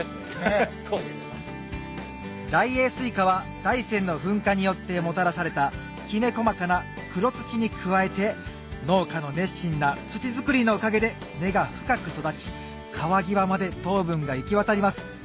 大栄すいかは大山の噴火によってもたらされたきめ細かな黒土に加えて農家の熱心な土作りのおかげで根が深く育ち皮際まで糖分が行き渡ります